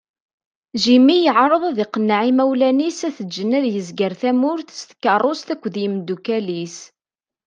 Jimmy yeɛreḍ ad iqenneɛ imawlan-is ad t-ǧǧen ad yezger tamurt s tkeṛṛust akked imdukal-is.